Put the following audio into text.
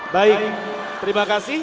baik terima kasih